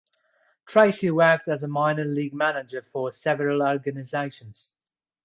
Tracy worked as a minor league manager for several organizations.